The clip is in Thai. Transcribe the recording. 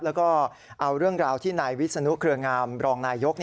แล้วก็เอาเรื่องราวที่นายวิศนุเครืองามรองนายยก